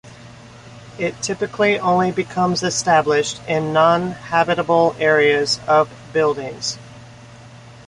It typically only becomes established in non habitable areas of buildings.